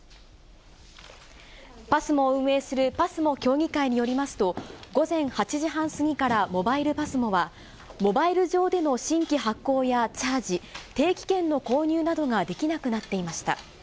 ＰＡＳＭＯを運営するＰＡＳＭＯ協議会によりますと、午前８時半過ぎからモバイルＰＡＳＭＯは、モバイル上での新規発行やチャージ、定期券の購入などができなくなっていました。